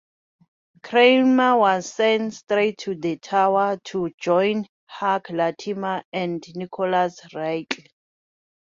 Cranmer was sent straight to the Tower to join Hugh Latimer and Nicholas Ridley.